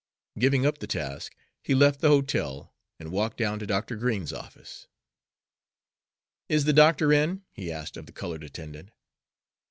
Giving up the task, he left the hotel and walked down to Dr. Green's office. "Is the doctor in?" he asked of the colored attendant.